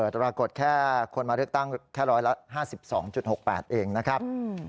ตราบรากฏแค่คนมาเลือกตั้งแค่ร้อยละ๕๒๖๘เองนะครับ